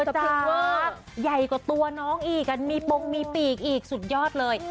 สติเวอร์ใหญ่กว่าตัวน้องอีกมีปงมีปีกอีกสุดยอดเลย